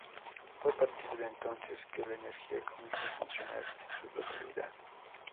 Fue a partir de entonces que la energía comenzó a funcionar en su totalidad.